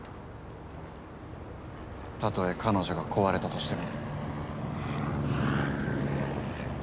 たとえ彼女が壊れたとしても。